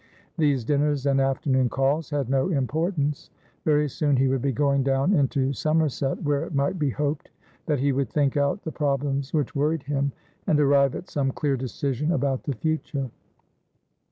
These dinners and afternoon calls had no importance; very soon he would be going down into Somerset, where it might be hoped that he would think out the problems which worried him, and arrive at some clear decision about the future.